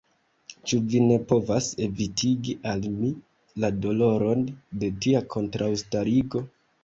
Ĉu vi ne povas evitigi al mi la doloron de tia kontraŭstarigo?